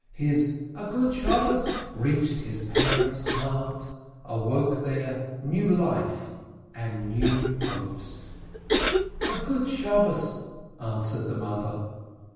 His "good Sabbath !" reached his parents' hearts, awoke there new life and new hopes. "A good Sabbath !" answered the mother.